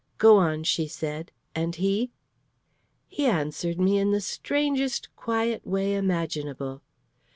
"Go on," she said; "and he?" "He answered me in the strangest quiet way imaginable.